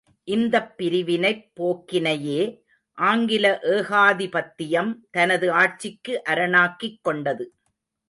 இந்தப் பிரிவினைப் போக்கினையே ஆங்கில ஏகாதிபத்தியம் தனது ஆட்சிக்கு அரணாக்கிக் கொண்டது.